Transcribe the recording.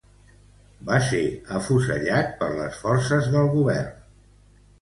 Va ser afusellat per les forces del govern.